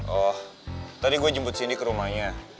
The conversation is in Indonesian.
oh tadi gue jemput sini ke rumahnya